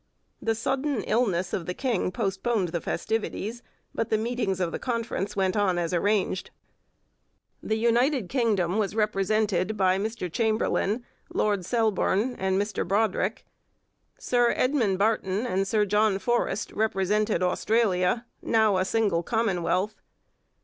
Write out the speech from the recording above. The sudden illness of the king postponed the festivities, but the meetings of the Conference went on as arranged. The United Kingdom was represented by Mr Chamberlain, Lord Selborne, and Mr Brodrick. Sir Edmund Barton and Sir John Forrest represented Australia, now a single Commonwealth.